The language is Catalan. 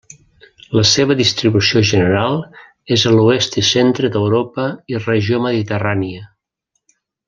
La seva distribució general és a l'oest i centre d'Europa i Regió mediterrània.